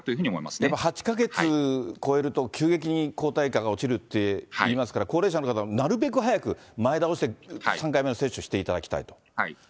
でも８か月越えると急激に抗体価が落ちるっていいますから、高齢者の方はなるべく早く前倒しで３回目の接種をしていただきたい。